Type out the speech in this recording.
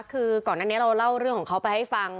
คือก่อนอันนี้เราเล่าเรื่องของเขาไปให้ฟัง